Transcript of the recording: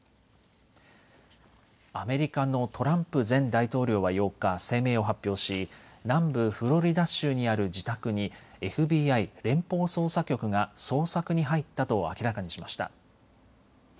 アメリカのトランプ前大統領は８日、声明を発表し南部フロリダ州にある自宅にＦＢＩ・連邦捜査局が捜索に入ったと明らかにしました。